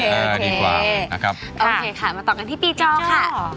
โอเคครับมาต่อกันที่ปีจอเเก่อน์ครับ